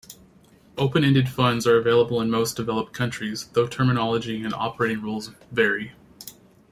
Open-ended funds are available in most developed countries, though terminology and operating rules vary.